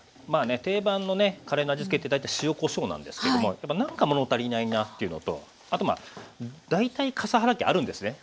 定番のねカレーの味付けって大体塩・こしょうなんですけどもやっぱなんか物足りないなっていうのとあと大体笠原家あるんですね。